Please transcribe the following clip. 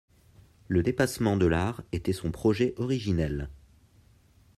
Le dépassement de l'art était son projet originel.